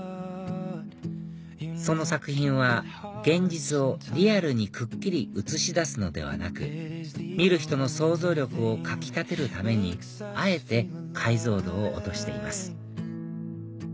その作品は現実をリアルにくっきり写し出すのではなく見る人の想像力をかき立てるためにあえて解像度を落としています